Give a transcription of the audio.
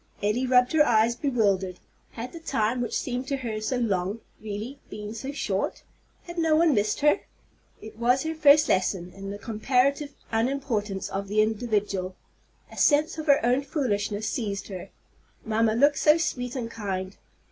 Elly rubbed her eyes, bewildered. Had the time which seemed to her so long really been so short? Had no one missed her? It was her first lesson in the comparative unimportance of the individual! A sense of her own foolishness seized her. Mamma looked so sweet and kind!